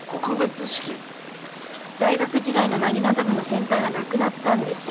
大学時代のなぎなた部の先輩が亡くなったんです。